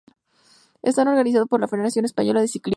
Están organizadas por la Federación Española de Ciclismo.